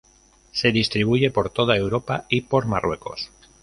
Se distribuye por toda Europa y por Marruecos.